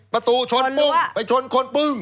ประตูชนปุ้งไปชนคนปึ้ง